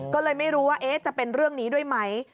ก็เลยไม่รู้ว่าจะเป็นเรื่องนี้ด้วยไหม